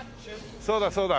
そうだそうだ。